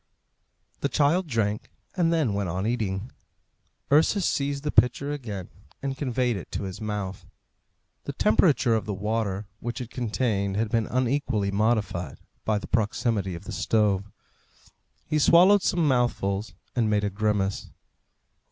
The child drank, and then went on eating. Ursus seized the pitcher again, and conveyed it to his mouth. The temperature of the water which it contained had been unequally modified by the proximity of the stove. He swallowed some mouthfuls and made a grimace.